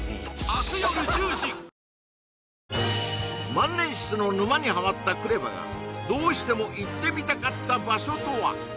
万年筆の沼にハマったＫＲＥＶＡがどうしても行ってみたかった場所とは？